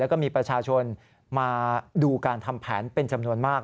แล้วก็มีประชาชนมาดูการทำแผนเป็นจำนวนมาก